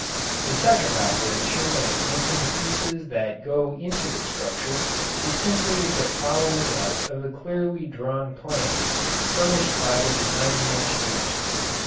The second operation of making the pieces that go into the structure is simply the following out of the clearly drawn plans furnished by the designing engineers.